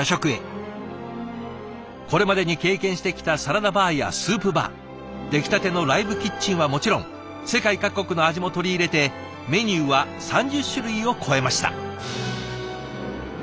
これまでに経験してきたサラダバーやスープバー出来たてのライブキッチンはもちろん世界各国の味も取り入れてメニューは３０種類を超えました。